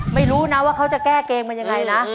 ไม่รู้นะว่าเขาจะแก้เกมมันยังไงนะ